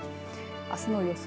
あすの予想